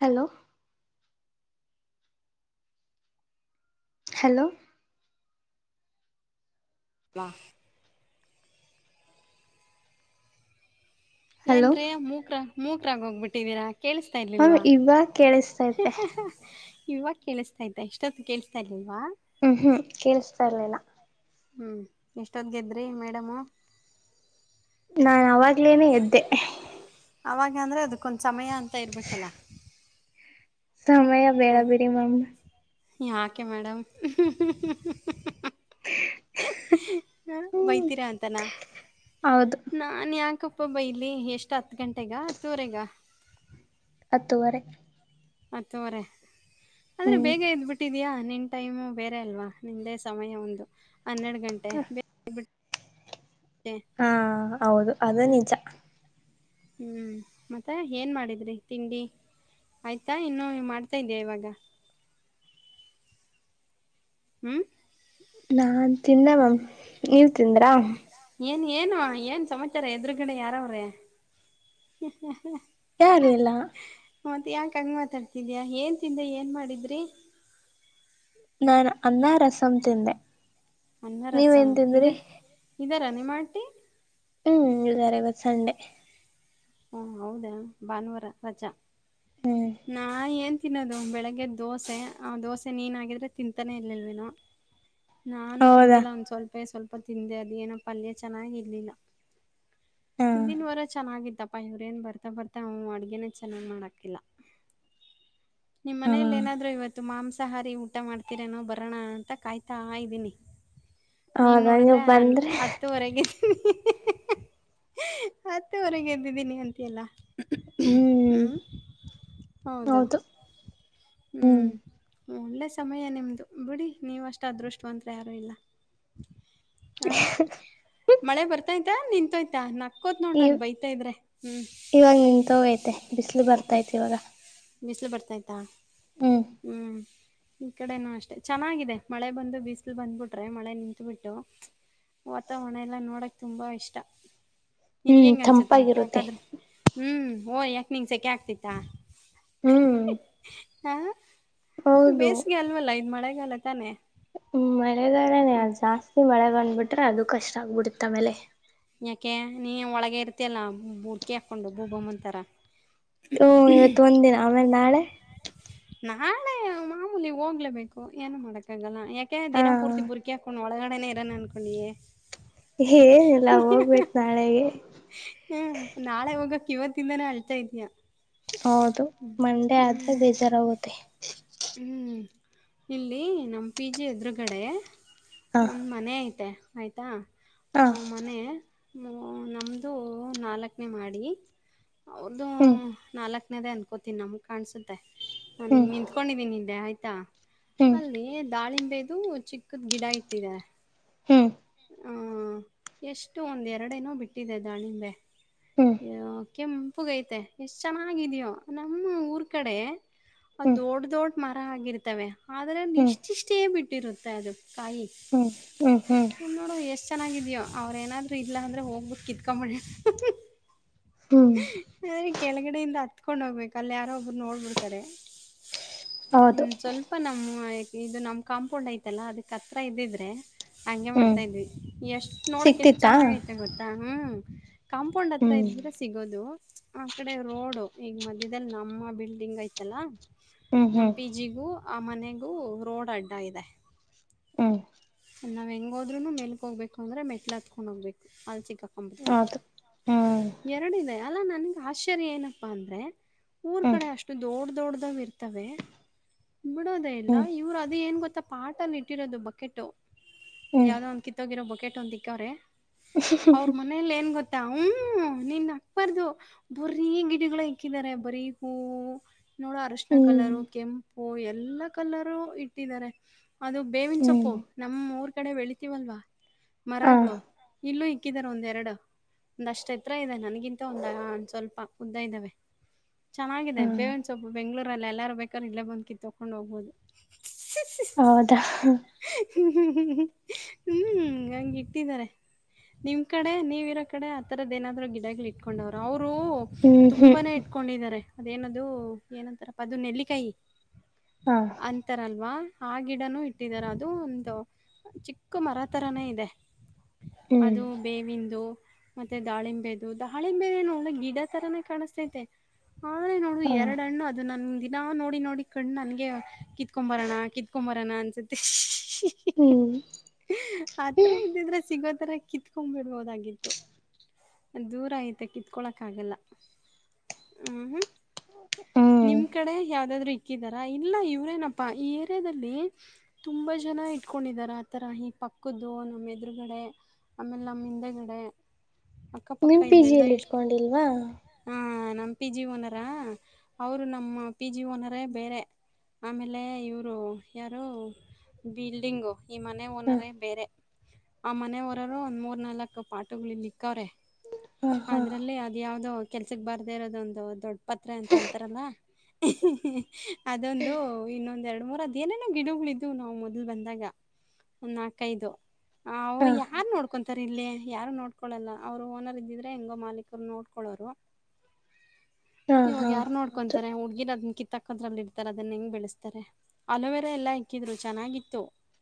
Hello. Hello. ವ hello ಏನ್ರೀ ಮೂಕ ಮೂಕರಾಗ ಹೋಗ್ಬಿಟ್ಟಿದೀರಾ ಹ್ಮ ಇವ ಕೇಳಿಸ ಇವಾಗ ಕೇಳಿಸ್ತಾ ಇದ್ದ ಎಷ್ಟೊತ್ತು ಕೇಳಸ್ತಾ ಇಲ್ಲ ಇಲ್ವಾ ಹ್ಮ್ ಹ್ಮ್ ಕೇೇಳಸ್ತಾ ಇರ್ಲಿಲ್ಲ ಹ್ಮ್ ಇಷ್ಟೊದ್ಗೆದ್ರಿ ಮೇಡಮು ನಾ ಅವಾಗ್ಲೇನೆ ಎದ್ದೆ ದ್ರೆ ಅದಕ್ಕೊಂದ ಸಮಯ ಅಂತ ಇರ್ಬೇಕಲ್ಲ ಸಮಯ ಬೇಡ ಹ್ಮ್ ಬಿೇಡಿ ಮಾಮ್ ಯಾಕೆ ಮೇಡಮ್ [unintelligible] ಹ ಹ್ಮ್ ಬೈತೀರಾ ಅಂತಾನ ಹೌದು ನಾನ್ ಯಾಕ ಬೈಲಿ ಎಷ್ಟು ಹತ್ತು ಗಂಟೆಗ ಹತ್ತು ವರೆಗ ಹತ್ತುವರೆ ಹತ್ತುವರೆ ಅಂದ್ರೆ ಹ್ಮ್ ಬೇಗ ಎದ್ ಬಿಟ್ಟಿದಯಾ ನಿನ್ ಟೈಮು ಬೇರೆ ಅಲ್ವಾ ನಿಂದೆ ಸಮಯ ಒಂದು ಹನ್ನೆರಡು ಗಂಟೆ ಬ ಹಾ ಹೌದು ಅದು ಹ ನಿಜ ಹ್ಮ್ ಮತ್ತೆ ಏನ್ ಮಾಡಿದ್ರಿ ತಿಂಡಿ ಆಯ್ತಾ ಇನ್ನು ಮಾಡ್ತಾ ಇದಯಾ ಇವಾಗ [unintelligible] ಹ್ಮ್ ನಾನ್ ತಿಂದ ಮ್ಯಾಮ್ ನೀವ್ ತಿಂದ್ರಾ ಏನು ಏನು ಏನು ಸಮಾಚಾರ ಎದುರುಗಡೆ ಯಾರಾವ್ರೆ ಯಾರು ಎಲ್ಲ ಮ ಮತ್ತೆ ಯಾಕ ಹಂಗ ಮಾತಾಡ್ತಿದಯ ಏನ್ ತಿಂದೆ ಏನ್ ಮಾಡಿದ್ರಿ ನಾನ ಅನ್ನ ರಸಂ ತಿಂದೆ ಅನ್ನ ರಸಂ ನೀವೇನ್ ಇದ ತಿಂದ್ರಿ ಇದಾರ ನೀ ಮಾಂಟಿ ಹ್ಮ್ ಇದಾರೆ ಬ ಸಂಡೆ ಹ ಹೌದಾ ಭಾನುವಾರ ರಜಾ ಹ್ಮ್ ನಾ ಏನ್ ತಿನ್ನೋದು ಬೆಳಿಗ್ಗೆ ದೋಸೆ ಆ ದೋಸೆ ನೀನ್ಗಿದ್ರೆ ತಿಂತಾನೇ ಇರ್ಲಿಲ್ವೇನು ನಾನು ಹೌದಾ ತಿಂದಿಲ್ಲ ಒಂದ ಸ್ವಲ್ಪೇ ಸ್ವಲ್ಪ ತಿಂದೆ ಅದೇಏನೋ ಪಲ್ಯ ಚೆನ್ನಾಗಿರ್ಲಿಲ್ಲ ಹಾ ಹಿಂದಿನವರೆ ಚೆನ್ನಾಗಾಗಿದೆ ಅಪ್ಪ ಇವ್ರೇಏನ್ ಬರ್ತಾ ಬರ್ತಾ ಅವನು ಅಡ್ಗೆೇನ ಚೆನ್ನಾಗ್ ಮಾಡಕಿಲ್ಲ ನಿಮ್ಮ್ ಹಾ ಮನೆಯಲ್ಲಿ ಏನಾದ್ರೂ ಇವತ್ತು ಮಾಂಸ ಸಹಾರಿ ಊಟ ಮಾಡ್ತೀರನೋ ಬರೋಣ ಅಂತ ಕಾಯ್ತಾ ಇದ್ದೀನಿ ನೀನ್ ಹೌದಾ ನೀವು ನೋಡಿದ್ರೆ ಬಂದ್ರೆ ಹತ್ತುವರೆಗೆ ಹತ್ತು ಹೊರೆಗೆ ಎದ್ದಿದ್ದೀನಿ ಅಂತೆ ಎಲ್ಲ ಹ್ಮ್ ಹ್ಞ ಹೌದಾ ಹೌದು ಹ್ಮ್ ಹ್ಞ ಒಳ್ಳೆ ಸಮಯ ನಿಮ್ದು ಬಿಡಿ ನೀವ್ ಅಷ್ಟು ಅದೃಷ್ಟವಂತ್ತ್ರ ಯಾರು ಇಲ್ಲ ಹ ಮಳೆ ಬರ್ತಾಯಯ್ತಾ ನಿಂತೋಯ್ತಾ ನಕ್ಕೋತ್ ನೋಡ್ ಈ ನನ್ ಬೈತಾ ಇದ್ರೆ ಹ್ಮ್ ಇವಾಗ ನಿನ್ ತೋಗೈತೆ ಬಿಸಿಲು ಬರ್ತೈತಿ ಇವಾಗ ಬೀಿಸಲು ಬರ್ತಾಯ್ತಾ ಹ್ಮ್ ಈ ಕಡೆನೂ ಅಷ್ಟೆ ಚೆನ್ನಾಗಿದೆ ಮಳೆ ಬಂದು ಬಿಸಿಲು ಬಂದ್ಬಿಟ್ರೆ ಮಳೆ ನಿಂತು ಬಿಿಟ್ಟು ವಾತಾವರಣ ಎಲ್ಲ ನೋಡಕ್ ತುಂಬಾ ಇಷ್ಟ ನನ್ಗೆ ಹ್ಮ್ ಹೆಂಗ್ ಅನ್ಸುತ್ತೆ ತಂಪಾಗಿರುತ್ತೆ ಯಾಕಾದ್ರರು ಹ್ಮ್ ಓ್ ಯಾಕೆ ನಿಂಗ ಸೆಕೆ ಆಗ್ತಿತ್ತ. ಹ್ಮ್ ಹಾ ಬೇಸ್ಗೆ ಅಲ್ವಲ್ಲ ಇ್ ಮಳೆಗಾಲ ತಾನೆ. ಹ್ಮ ಮಳೆಗಾರನೆ ಹ್ಮ್ ಅ್ ಜಾಸ್ತಿ ಮಳೆ ಬಂದ್ಬಿಟ್ರೆ ಅದು ಕಷ್ಟ ಆಗ್ಬಿಡತ್ತ ಆಮೇಲೆ ಕೆ ನೀ ಒಳಗ ಇರ್ತಲ್ಲ ಹುಕಿ ಹಾಕೊಂಡು ಭೂಬಮ್ಮಂತರ ಹ್ಮ ಇವತ್ ಒಂದ್ಿನ ಆಮೇಲೆ ನಾಳೆ ನಾಳೆ ಮಾಮೂಲಿ ಹೋಗ್ಲೇಬೇಕು ಏನು ಮಾಡಕ್ ಆಗಲ್ಲ ಯಾಕೆ ಹಾ ದಿನ ಪೂರ್ತಿ ಬುರ್ಕಿ ಹಾಕೊಂಡು ಒಳಗಡೆನೆ ಇರಾನ ಅನ್ಕೊಂಡಿಯೆ ಲ್ಲಾ ಹೋಗ್ಬೇಕು ನಾಳೆಗೆ ಹ್ಮ್ [unintelligible] ಇವತ್ತಿಂದಾನೇ ಅಳ್ತಾ ಇದ್ಯಾ ಹೌದು ಮಂಡೇ ಆದ್ರೆ ಬೇಜಾರಾಗುತ್ತೆ ಹ್ಮ್ ಇಲ್ಲಿ ನಮ್ಮ ಪಿ ಜಿ ಎದುರುಗಡೆ ಹಾ ಒಂದ್ ಮನೆ ಐತೆ ಆಯ್ತಾ ಹಾ ಅವ್ ಮನೆ ನಮ್ಮದು ನಾಲ್ಕನೇ ಮಾಡಿ ಅವ್ರ್ದು ಹ್ಮ್ ನಾಲ್ಕು [unintelligible] [unintelligible] ಅನ್ಕೋತೀನಿ ನಮ್ಗ್ ಕಾಣಸುತ್ತೆ ನಾನು ಹ್ಮ್ ಇಂಗ್ ನಿಂತ್ಕೊಂಡಿದ್ದೀನಿ ಇಲ್ಲಿ ಆಯ್ತಾ ಹ್ಮ್ ಅಲ್ಲಿ ದಾಳಿಂಬೆದು ಚಿಕ್ಕದ್ ಗಿಡ ಇಟ್ಟಿದೆ ಹ್ಮ್ ಹ ಎಷ್ಟು ಒಂದೆರಡನೋ ಬಿಟ್ಟಿದೆ ದಾಳಿಂಬೆ ಹ್ಮ್ [unintelligible] ಕೆೆಂಪುಗೈತೆ ಎಷ್ಟ್ ಚೆನ್ನಾಗಿದ್ಯೋ ನಮ್ಮ ಊರ್ ಕಡೆ ಹ್ಮ್ [unintelligible] ದೊಡ್ ದೊಡ್ ಮರ ಆಗಿರ್ತವೆ ಆದ್ರೆ ಹ್ಮ್ ಇಷ್ಟಿಷ್ಟೇ ಬಿಟ್ಟಿರುತ್ತೆ ಅದು ಕಾಯಿ ಹ್ಮ್ ಹ್ಮ್ ಹ್ಮ್ ನೋಡು ಎಷ್ಟ್ ಚೆನ್ನಾಗಿದ್ಯೋ ಅವ್ರ ಏನಾದ್ರು ಇಲ್ಲ ಅಂದ್ರೆ ಹೋಗ್ಬಿಟ್ಟ ಕಿತ್ಕೊಂಬಿ [unintelligible] [unintelligible] ಹ್ಮ್ [unintelligible] ಹತ್ಕೊಂಡ್ ಹೋಗ್ಬೇಕು ಅಲ್ಲಿ ಯಾರೋ ಒಬ್ರು ನೋಡ್ಬಿಡ್ತಾರೆ ಹೌದು ಇನ್ ಸ್ವಲ್ಪ ನಮ್ಮ್ ಇದು ನಮ್ ಕಾಂಪೌಂಡ್ ಐತಲ್ಲಾ ಅದಕ್ ಹತ್ರ ಇದ್ದಿದ್ರೆ ಹಂಗೆ ಹ್ಮ್ ಮಾಡ್ತಾ ಇದ್ವಿ ಎಷ್ಟ್ ನೋಡಕ್ ಎಷ್ಟ್ ಸಿಕ್ತಿತ್ತಾ ಚೆನ್ನಾಗೈತೆ ಗೊತ್ತಾ ಹ್ಮ್ ಕಾಂಪೌಂಡ್ ಹತ್ರ ಹ್ಮ್ ಇದ್ರೆ ಸಿಗೋದು ಆ ಕಡೆ ರೋಡ್ ಈಗ ಮಧ್ಯದಲ್ಲಿ ನಮ್ಮ ಬಿಲ್ಡಿಂಗ್ [unintelligible] ಹ್ಮ್ [unintelligible] ನಮ್ಮ ಹ್ಮ್ ಪಿಜಿ ಗೂ ಆ ಮನೆಗೂ ರೋಡ್ ಅಡ್ಡ ಇದೆ ಹ್ಮ್ [unintelligible] ಹೋದ್ರುನು ಮೇಲ್ಕ್ ಹೋಗ್ಬೇಕು ಅಂದ್ರೆ ಮೆಟ್ಲ್ ಹತ್ಕೊಂಡ್ ಹೋಗ್ಬೇಕು ಅಲ್ ಸಿಕಾಹಕೊಂಡ್ಬಿಡ್ತಿವಿ ಅದು ಹ್ಮ್ ಎರಡ ಇದೆ ಅಲ್ಲಾ ನನ್ಗೆ ಆಶ್ಚರ್ಯ ಏನಪ್ಪಾ ಅಂದ್ರೆ ಊರ್ ಹ್ಮ್ ಕಡೆ ಅಷ್ಟು ದೊಡ್ ದೊಡ್ದಾವ್ ಇರ್ತವೆ ಬಿಡೋದೇ ಇಲ್ಲ ಹ್ಮ್ ಇವ್ರು ಅದ ಏನ್ ಗೊತ್ತಾ ಪಾಟಲ್ಲಿ ಇಟ್ಟಿರೋದು ಬಕೆಟು ಹ್ಮ್ ಯಾವದೋ ಒಂದು ಕಿತ್ತೋಗಿರೋ ಬೊಕೆಟ್ ಒಂದ ಇಕ್ಕವ್ರೇ ಅವ್ರ ಮನೇಲಿ ಏನ್ [unintelligible] [unintelligible] ನಿನ್ ನಕ್ಬಾರ್ದು ಬರೀ ಗಿಡಗಳು ಇಕ್ಕಿದಿದ್ದಾರೆ ಬರೀ ಹೂ ನೋಡೋ ಅರಶಿನ ಹ್ಮ್ ಕಲರು ಕೆಂಪು ಎಲ್ಲಾ ಕಲರು ಇಟ್ಟಿದ್ದಾರೆ ಅದು ಬೇವಿನ ಹ್ಮ್ ಸೊಪ್ಪು ನಮ್ ಊರ್ ಕಡೆ ಬೆಳಿತೀವಲ್ವಾ ಹ ಮರಗಳು ಇಲ್ಲೂ ಇಕ್ಕಿದಾರ ಒಂದೆರಡು ಒಂದಷ್ಟ್ ಯೆತ್ರ ಇದೆ ನನ್ಗಿಂತ ಒಂದ ಒಂದ ಸ್ವಲ್ಪ ಉದ್ದ ಇದ್ದಾವೆ ಹ ಚೆನ್ನಾಗಿದೆ ಬೇವಿನ್ಸೊಪ್ಪು ಬೆಂಗ್ಗಳೂರಲ್ಲ ಎಲ್ಲಾರು ಬೇಕಾರ ಇಲ್ಲೇ ಬಂದ್ ಕಿತ್ತಕೊಂಡ ಹೋಗ್ಬೋದು ಹೌದಾ [unintelligible] [inaudible] ಹ್ಮ ಹಂಗ್ ಇಟ್ಟಿದ್ದಾರೆ ನಿಮ್ ಕಡೆ ನೀವ್ ಇರೋ ಕಡೆ ಆತರದೇನಾದ್ರು ಗಿಡಗಳ್ ಇಟ್ಕೊಂಡವ್ರು [unintelligible] ಹ್ಮ್ [unintelligible] ಹ್ಮ್ ತುಂಬಾನೇ ಇಟ್ಕೊಂಡಿದ್ದಾರೆ ಅದೇನದು ಏನಂತಾರಪ್ಪ ಅದು ನೆಲ್ಲಿಕಾಯಿ ಹ ಅಂತಾರಲ್ವಾ ಆ ಗಿಡನು ಇಟ್ಟಿದಾರೆ ಅದು ಒಂದು ಚಿಕ್ಕ ಮರ ತರಾನೇ ಇದೆ ಹ್ಮ್ ಅದು ಬೇವಿಂದು ಮತ್ತೆ ದಾಳಿಂಬೆದು ದಾಳಿಂಬೆ ಏನು ಒಳ್ಳೆ ಗಿಡ ತರಾನೇ ಕಾಣಿಸ್ತೈತೆ ಆದ್ರೆ ನೋಡು ಹ ಎರಡ ಹಣ್ಣು ಅದು ನನ್ ದಿನಾ ನೋಡಿ ನೋಡಿ ಕಣು ನನ್ಗೆ ಕಿತ್ಕೊ ಬರೋಣ ಕಿತ್ಕೊ [unintelligible] [unintelligible] ಅನ್ಸುತ್ತೆ ಹ್ಮ್ ಆತ್ರ ಇದ್ದಿದ್ರೆ ಸಿಗೋ ತರ ಕಿತ್ಕೊಂಡ್ ಬಿಡ್ಬೋದಾಗಿತ್ತು ದೂರ ಐತೆ ಕಿತ್ಕೊಳಕ ಆಗಲ್ಲ [unintelligible] ಹ್ಮ್ ನಿಮ್ ಕಡೆ ಯಾವ್ದಾದ್ರು ಇಕ್ಕಿದಾರ ಇಲ್ಲ ಇವ್ರೇನಪ್ಪಾ ಈ ಏರಿಯಾದಲ್ಲಿ ತುಂಬಾ ಜನ ಇಟ್ಕೊಂಡಿದಿದ್ದಾರ [unintelligible] [unintelligible] ಈ ಪಕ್ಕದ್ದು ನಮ್ಮ ಎದುರುಗಡೆ ಆಮೇಲೆ ನಮ್ಮ ಹಿಂದೆಗಡೆ ಅಕ್ಕಪಕ್ಕ ನಿಮ್ ಇಲ್ಲೆಲ್ಲಾ ಪಿಜಿಯಲ್ಲಿ ಎಷ್ಟು ಇಟ್ಕೊಂಡಿಲ್ವಾ ಹಾ ನಮ್ಮ ಪಿ ಜಿ ಓನರಾ ಅವರು ನಮ್ಮ ಪಿ ಜಿ ಓನರ ಬೇರೆ ಆಮೇಲೆ ಇವ್ರು ಯಾರು ಬಿಲ್ಡಿಂಗು ಈ ಮನೆ ಹ ಓನರ ಬೇರೆ? [unintelligible] ಆ ಮನೆವರರು ಒಂದ್ ಮೂರ್ ನಾಲ್ಕು ಫೋಟ್ಗಳು ಇಲಿಕ್ಕವ್ರೆ ಹ ಹ ಅದರಲ್ಲಿ ಅದು ಯಾವದೋ [unintelligible] ಕೆಲಸಕ್ಕೆ ಬಾರದೆ ಇರೋದೊಂದುದೊಡ್ಡ ಪಾತ್ರೆ ಅಂತ ಅಂತಾರಲ್ಲ [unintelligible] ಅದೊಂದು ಇನ್ನೊಂದ ಎರಡು ಮೂರ್ ಅದ್ ಏನೇನೋ ಗಿಡಗಳ ಇದ್ದುವು ನಾವು ಮೊದಲ ಬಂದಾಗ? [unintelligible] ನಾಕೈದು ಅವು ಹ ಯಾರ್ ನೋಡ್ಕೊಂತಾರೆ. [unintelligible] ಇಲ್ಲಿ ಯಾರು ನೋಡ್ಕೊಳಲ್ಲ ಅವರ ಓನರ್ ಇದ್ದಿದ್ರೆ ಹೆಂಗೋ ಮಾಲೀಕರು ನೋಡ್ಕೊಳೋರು. [unintelligible] ಹಾ ಇವಾಗ ಹಾ ಯಾರ ಹೌದು ನೋಡ್ಕೊಂತಾರೆ ಹುಡಗಿನಾ ದು ದುಮಕಿ [unintelligible] ತಕ್ಕಕದ್ರಲ್ಲಿ ಇರ್ತಾರೆ ಅದನ್ನ ಹೆಂಗ ಬೆಳೆಸ್ತಾರೆ ಅಲೋವೆರಾ ಎಲ್ಲಾ ಇಕ್ಕಿದ್ರು ಚೆನ್ನಾಗಿತ್ತು. [unintelligible]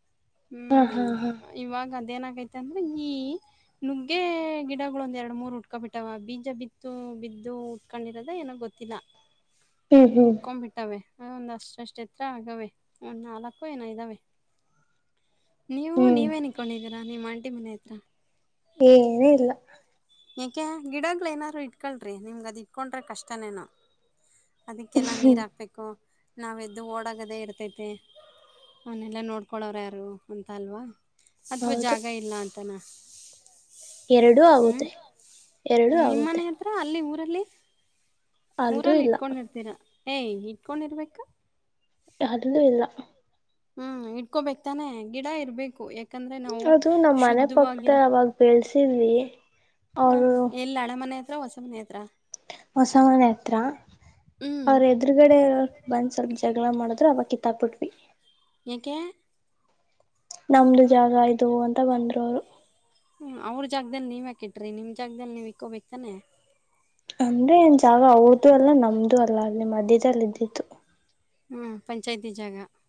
ಹೂ ಹಾ ಹಾ ಹಾ ಇವಾಗಂತ. [unintelligible] ಏನಕೈತೆ ಅಂದ್ರೆ ಈ ನುಗ್ಗೆ ಗಿಡಗಳು ಒಂದ್ ಎರಡ್ ಮೂರ್ ಉಟ್ಕೋಬ ಬಿಟ್ಟಾವ ಬೀಜ ಬಿತ್ತು [unintelligible] ಬಿದ್ದು ಹುಟ್ಕೊಂಡಿರೋದ ಏನೋ ಗೊತ್ತಿಲ್ಲ ಹ್ಮ್ ಹ್ಮ್ ಹುಟ್ಕೊಂಡ್ಬಿಟ್ಟವೆ. [unintelligible] ಒಂದ್ ಅಷ್ಟಷ್ಟ್ ಎತ್ರ ಆಗವೇ ಒಂದ್ ನಾಲ್ಕು ಏನ ಇದ್ದಾವೆ. [unintelligible] ನೀವು ಹ್ಮ್ ನೀವೇನ್ ಇಕೊಂಡಿದ್ದೀರಾ ನಿಮ್ಮ ಆಂಟಿ ಮನೆ ಹತ್ರ? [unintelligible] ಏನು ಇಲ್ಲ? [unintelligible] ಏಕೆ ಗಿಡಗಳ ಏನಾದ್ರು ಇಟ್ಕಳ್ರಿ ನಿಮಗೆ ಅದ ಇಟ್ಕೊಂಡ್ರೆ ಕಷ್ಟನೇನು? [unintelligible] ಅದಕ್ಕೆಲ್ಲ ನೀರ ಹ್ಮ್ ಹಾಕ್ಬೇಕು ನಾವ ಎದ್ದು ಓಡಾಗದೇ ಇರ್ತೈತಿ ಅವನ್ನೆಲ್ಲ ನೋಡ್ [unintelligible] ದುಡ್ಡ ಕೋಡರೋ ಯಾರು ಅಂತ ಅಲ್ವಾ ಅಥವಾ ಜಾಗ ಇಲ್ಲ ಅಂತಾನ? [unintelligible] ಎರಡು ಆಗುದೇ ಎರಡು ಆಗುತ್ತೆ. [unintelligible] ಲ್ಲಿ ಅಲ್ಲೂ ಮೂರಲ್ಲಿ ಇಲ್ಲ ಇಟ್ಕೊಂಡಿರ್ತೀರಾ ಏಯ ಇಟ್ಕೊಂಡಿರ್ಬೇಕ? [unintelligible] ಅಲ್ಲೂ ಇಲ್ಲ? [unintelligible] ಹಾ ಇಟ್ಕೋಬೇಕ್ ತಾನೆ ಗಿಡ ಇರ್ಬೇಕು ಯಾಕ? [unintelligible] ಅದು ನಮ್ಮ ಮನೆ ಪಕ್ಕದ ಅವಾಗ ಬೆಳ್ಸಿದ್ವಿ ಅವರು [unintelligible] ಅವರ ಸುಮ್ನ ಇದರಾ? [unintelligible] ಹೊಸ ಮನೆ ಹತ್ರ ಹ್ಞೂ ಅವರ ಎದುರುಗಡೆ ಬಂದ್ ಸ್ವಲ್ಪ [unintelligible] ಜಗಳ ಮಾಡಿದ್ರೆ ಅವಗಾ ಕಿತ್ತಾಬಿಟ್ವಿ. [unintelligible] ಏಕ್ಕೆ? [unintelligible] ನಮ್ದು ಜಾಗ ಇದು ಅಂತ ಬಂದ್ರು ಅವರು [unintelligible] ಅವರ ಜಾಗದಲ್ಲಿ ನೀವ್ ಇಟ್ರಿ ನಿಮ್ಮ ಜಾಗದಲ್ಲಿ ನೀವ್ ಇಕ್ಕೋಬೇಕಕ್ತಾನೆ. [unintelligible] ಅಂದ್ರೆ ಏನ್ ಜಾಗ ಅವರದ್ದು ಅಲ್ಲ ನಮ್ದು ಅಲ್ಲ ಅಲ್ಲಿ ಮಧ್ಯದದಲ್ಲಿ ಇದ್ದಿದ್ದು. [unintelligible] ಹೂ ಪಂಚಾಯತಿ ಜಾಗಾ? [unintelligible]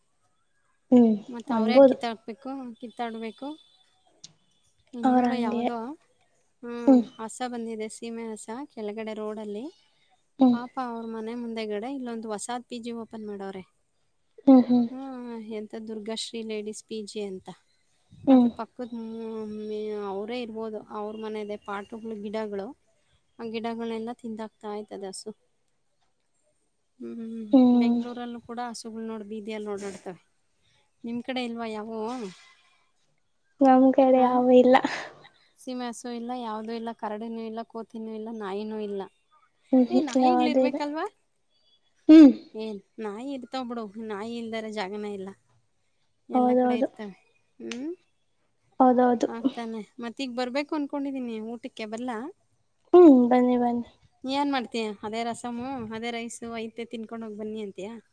ಹ್ಮ್ ಮತ್ತ ಅವರ ಯಾಕ್ ಅನ್ಬೋದು ಕಿತ್ತಾಕ್ಬೇಕು ಕಿತ್ತಾಡ್ಬೇಕು [unintelligible] ಇಲ್ಲ ಅವ್ರ ನೋಡ ಹಂಗೆ ಯಾವದೂ ಹೂ ಹ್ಮ್ ಹಸ ಬಂದಿದೆ. [unintelligible] ನಿನ್ನೆ ಹಸಾ ಕೆಳಗಡೆ ರೋಡ್ ಅಲ್ಲಿ ಹ್ಮ್ ಪಾಪ ಅವರ ಮನೆ ಮುಂದೆ [unintelligible] ಕೇಳಗಡೆ ಇಲ್ಲೊಂದು ಹೊಸ ಪಿ ಜಿ ಓಪನ್ ಮಾಡವರೇ ಹ್ಮ್ ಹ್ಮ್ ಹೂ ಎದ [unintelligible] Durga Shri ladies P G ಅಂತ ಹ್ಮ್ ಅದರ ಪಕ್ಕದ [unintelligible] ಆ ಅವರೇ ಇರ್ಬೋದು ಅವರ ಮನದೆ ಪಾಟಗಳು ಗಿಡಗಳು [unintelligible] ಆ ಗಿಡಗಳೆಲ್ಲ ತಿಂದಾಗ್ತಾ ಆಯ್ತ ಹಸು [unintelligible] ಹು ಹು ಹ್ಮ್ ಬೆಂಗಳೂರಲ್ಲೂ ಕೂಡ ಹಸುಗಳು ನೋಡ್ ಬೀದಿಯಲ್ಲಿ ನೋಡಾಡ್ತವೆ. [unintelligible] ನಿಮ್ಮ ಕಡೆ ಇಲ್ವಾ ಯಾವಾವು? [unintelligible] ನಮ್ಮ ಕಡೆ ಯಾವು ಇಲ್ಲ? [unintelligible] ಎಲ್ಲೂ ಇಲ್ಲ ಯಾವುದೂ ಇಲ್ಲ ಕರಡಿನೂ ಇಲ್ಲ ಕೋತಿನೂ ಇಲ್ಲ ನಾಯಿನೂ ಇಲ್ಲ ಹ್ಮ್ [unintelligible] ಏ ಹ್ಮ್ ನಾಯಿಗಳ ಯಾವ್ದ ಇಲ್ಲ ಇರ್ಬೇಕಲ್ವಾ ಹ್ಮ್ ಏನ್ ನಾಯಿ [unintelligible] ತೋ ಬಡು ನಾಯಿ ಇಲ್ದಾರ ಜಾಗನ ಇಲ್ಲ? [unintelligible] ಎಲ್ಲಾ ಕಡೆ ಇರ್ತವೆ ಹೂ [unintelligible] ಹೌದ ಹೌದದು [unintelligible] ಈಗ್ ಬರ್ಬೇಕು ಅನ್ಕೊಂಡಿದೀನಿ ಊಟಕ್ಕೆ ಬರ್ಲ್ಲಾ? [unintelligible] ಹೂ ಬನ್ನಿ ಬನ್ನಿ. [unintelligible] ಏನ್ ಮಾಡ್ತೀಯಾ ಅದೇ ರಸಮು ಅದೇ ರೈಸು ಐತೆ ತಿನ್ಕೊಂಡ ಹೋಗಿ ಬನ್ನಿ ಅಂತಯಾ? [unintelligible]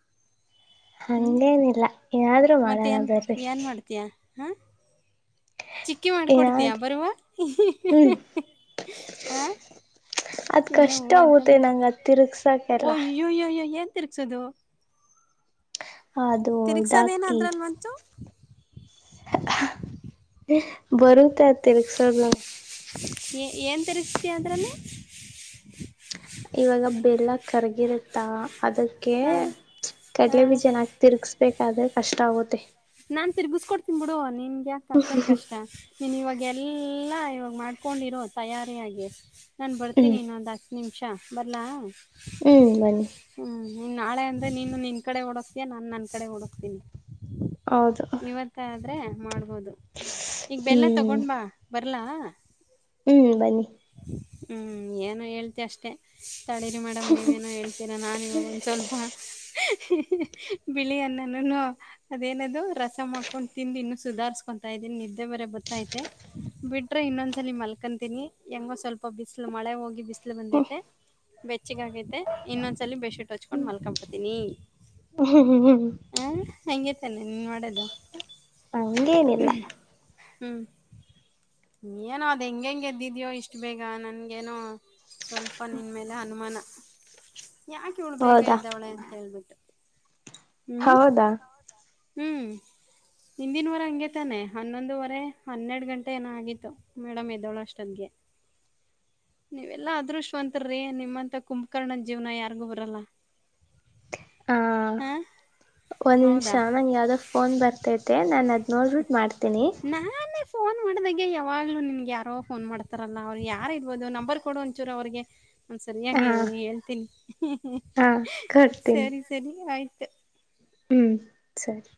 ಹ್ಮ್ ಹಂಗೇನಿಲ್ಲ ಏನಾದ್ರರು ಮಾಡಣ ಮತ್ತೇನ್ ಬರ್ರಿ ಏನ್ ಮಾಡ್ತೀಯಾ ಹಾ ಚಿಕ್ಕಿ ಮಾಡಿಕೊಡ್ತೀಯಾ ಏನಾದ್ರು ಬರುವ ಹ್ಮ್ ಹ ಅದ್ ಕಷ್ಟ ಆಗುತ್ತೆ ನಂಗ ಅದ್ ತಿರ್ಗ್ಸಾಕೆಲ್ಲ ಎಏಂತರುಕ್ಷದ ಅದು ತಿರ್ಗ್ಸದೇನ ಅದ್ರಲ್ ಮಂಚು ಬರತತ ರಕ್ಷ ನ ತ ಅಂದ್ರನ ಇವಾಗ ಬೆಲ್ಲ ಕರ್ಗಿರುತ್ತಾ ಅದಕ್ಕೆ ಹಾ ಹಾ ಕಡಲೆಬೀಜೆನ್ನಕ ತಿರುಗಿಸಬೇಕಾದ್ರೆ ಕಷ್ಟ ಆಗುತ್ತೆ ನಾನ್ ತಿರ್ಗಸ್ಕೊಡ್ತೀನ್ ಬಿಡು ನಿನ್ಗೆ ಯ ಅಷ್ಟೊಂದ ಕಷ್ಟ ನೀನ್ ಇವಾಗ ಎಲ್ಲಾ ಇವಾಗ ಮಾಡ್ಕೊಂಡಿರೋ ತಯಾರಿಯಾಗಿ ನಾನು ಬರ್ತೀನಿ ಹ್ಮ್ ಇನ್ನೊಂದು ಹತ್ತು ನಿಮಿಷ ಬರಲಾ ಹ್ಮ್ ಬನ್ನಿ ನೀ ನಾಳೆ ಅಂದ್ರೆ ನೀನು ನಿನ್ ಕಡೆ ಓಡಕ್ತೀಯಾ ನಾನು ನನ್ನ ಕಡೆ ಓಡಕ್ತೀನಿ ಹೌದು ಇವತ್ತಾದ್ರೆ ಮಾಡ್ಬೋದು ಈಗ ಬೆಲ್ಲ ಹ್ಮ್ ತಗೊಂಡ್ ಬಾ ಬರ್ ಬರ್ಲ ಹ್ಮ್ ಬನ್ನಿ ಹ್ಮ್ ಏನು ಹೇಳ್ತಿ ಅಷ್ಟೆ ಸಳಿರಿ ಮೇಡಮ್ ನೀವೇನೋ ಹೇಳ್ತೀರಾ ನಾನ್ ಇವಾಗ ಒಂದ್ ಸ್ವಲ್ಪ ಬಿಳಿ ಅನ್ನನನು ಅ ಇದೇನದು ರಸ ಮಾಡ್ಕೊಂಡು ತಿಂದು ಇನ್ನು ಸುಧಾರ್ಸ್ಕೊಂತಾ ಇದೀನಿ ನಿದ್ದೆ ಬರ ಗೊತ್ತೈತೆ ಬಿಡ್ರೆ ಇನ್ನೊಂದ್ಸಲ ಮಲ್ಕತೀನಿ ಹೆಂಗ ಸ್ವಲ್ಪ ಬಿಸ್ಲು ಮಳೆ ಹೋಗಿ ಬಿಸಲು ಬಂದೈತೆ ಬೆಚ್ಚಿಗ ಆಗೈತೆ ಇನ್ನೊಂದ್ಸಲ ಬೆಡ್ ಶೀಟ್ ಹಚ್ಕೊಂಡ್ ಮಲ್ಕ ಬಿಡ್ತೀನಿ ಹ ಹ್ಮ ಹ್ಮ ಹಂಗಗೆ ತಾನೆ ನೀನ್ ಮಾಡದು ಹಂಗೇನಿಲ್ಲ ಹ್ಮ್ ನೀ ನೋ ಅದ್ ಹೆಂಗ ಹೆಂ ಎದ್ದಿದ್ಯೋ ಇಷ್ಟು ಬೇಗ ನನ್ಗೇನೋ ಸ್ವಲ್ಪ ನಿನ್ ಮೇಲೆ ಅನುಮಾನ ಯಾಕ ಇವಳು ಬೇಗ ಹೌದಾ ಇದ್ದವಳೆ ಅಂತ ಹೇಳ್ಬಿಟ್ಟು ಹೌದಾ ಹ್ಮ್ ಹಿಂದಿನವಾರ ಹಂಗೆ ತಾನೆ ಹನ್ನೊಂದುವರೆ ಹನ್ನೆರಡು ಗಂಟೆ ಏನೋ ಆಗಿತ್ತು ಮೇಡಮ್ ಎದ್ದೋಳಷ್ಟೊಂದಗೆ [unintelligible] ನೀವೆಲ್ಲಾ ಅದೃಶವಂತರ್ರೀ ನಿಮ್ಮಂತ ಕುಂಕರ್ಣದ ಜೀವನ ಯಾರಿಗು ಬರಲ್ಲ ಹ ಹಾಂ ಒಂದ್ ನಿಮಿಷ ಹೌದಾ ನಂಗೆ ಯಾವ್ದ ಫೋನ್ ಬರ್ತೈತೆ ನಾನು ಅದ್ ನೋಡ್ಬಿಟ್ಟು ಮಾಡ್ತೀನಿ [unintelligible] ಗೆ ಯಾವಾಗ್ಲೂ ನಿನ್ಗೆ ಯಾರೋ ಫೋನ್ ಮಾಡ್ತಾರಲ್ಲ ಅವ್ರು ಯಾರ ಇರ್ಬೋದು ನಂಬರ್ ಕೊಡ ಒಂಚೂರು ಅವ್ರಿಗೆ ಒ ಸರಿ ಹಾ ಹಾಗೆ ಹೇಳ್ತೀನಿ ಹಾ ಕೊಡ್ತೀನಿ ಸರಿ ಸರಿ ಆಯ್ತು ಹ್ಮ್ ಸರಿ